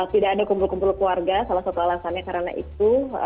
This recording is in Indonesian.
tidak ada kumpul kumpul keluarga salah satu alasannya karena itu